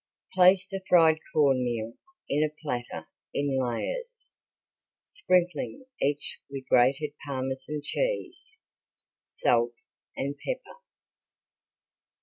Place the fried corn meal in a platter in layers, sprinkling each with grated Parmesan cheese, salt, and pepper.